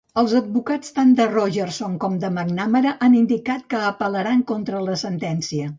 Els advocats tant de Rogerson com de McNamara han indicat que apel·laran contra la sentència.